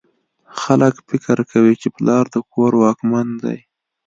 خلک فکر کوي چې پلار د کور واکمن دی